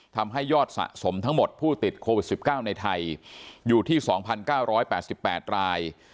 ทำให้ยอดสะสมทั้งหมดผู้ติดโควิด๑๙ในไทยอยู่ที่๒๙๘๘ราย